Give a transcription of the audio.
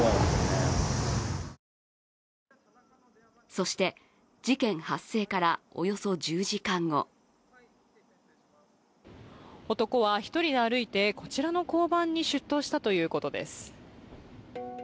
そして事件発生からおよそ１０時間後男は１人で歩いてこちらの交番に出頭したということです。